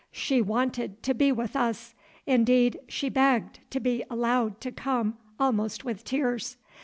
She wanted to be with us; indeed, she begged to be allowed to come almost with tears.